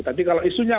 tapi kalau isunya